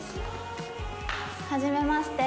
はじめまして。